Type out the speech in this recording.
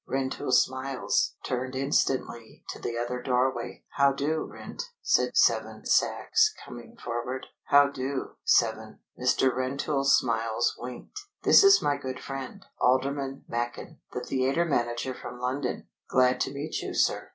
Rentoul Smiles turned instantly to the other doorway. "How do, Rent?" said Seven Sachs, coming forward. "How do, Seven?" Mr. Rentoul Smiles winked. "This is my good friend, Alderman Machin, the theatre manager from London." "Glad to meet you, sir."